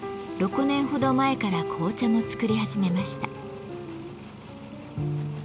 ６年ほど前から紅茶も作り始めました。